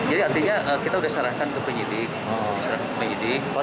jadi artinya kita sudah sarankan ke penyidik